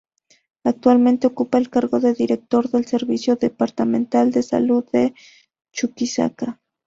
Actualmente ocupa el cargo de Director del Servicio Departamental de Salud de Chuquisaca.